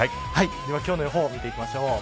今日の予報を見ていきましょう。